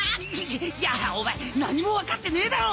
いやお前何も分かってねえだろ！